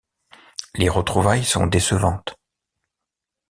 Les retrouvailles sont décevantes.